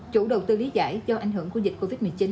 chủ đầu tư lý giải do ảnh hưởng của dịch covid một mươi chín